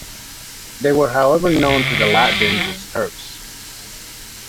They were however known to Latvians as Turks.